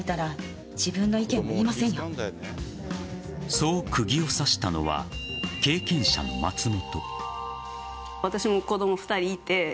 そう釘を刺したのは経験者の松本。